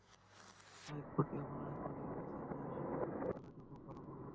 হাইকোর্টে এমন আইনজীবী রয়েছেন, যাঁর শিক্ষাগত যোগ্যতা হয়তো খুব ভালো নয়।